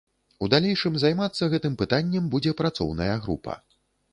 У далейшым займацца гэтым пытаннем будзе працоўная група.